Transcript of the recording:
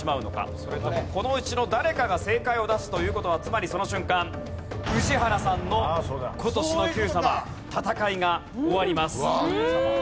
それともこのうちの誰かが正解を出すという事はつまりその瞬間宇治原さんの今年の『Ｑさま！！』戦いが終わります。